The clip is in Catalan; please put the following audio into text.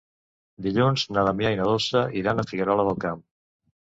Dilluns na Damià i na Dolça iran a Figuerola del Camp.